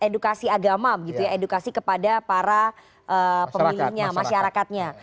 edukasi agama gitu ya edukasi kepada para pemilihnya masyarakatnya